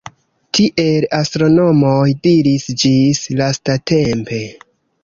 Tiel astronomoj diris ĝis lastatempe.